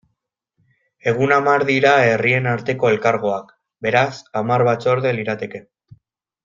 Egun hamar dira herrien arteko elkargoak, beraz, hamar batzorde lirateke.